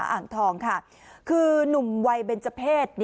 อ่างทองค่ะคือนุ่มวัยเบนเจอร์เพศ